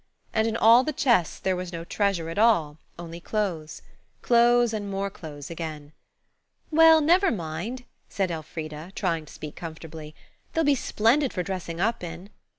And in all the chests there was no treasure at all–only clothes. Clothes, and more clothes again. "Well, never mind," said Elfrida, trying to speak comfortably. "They'll be splendid for dressing up in."